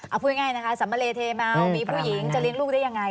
เอาพูดง่ายนะคะสัมเลเทเมามีผู้หญิงจะเลี้ยงลูกได้ยังไง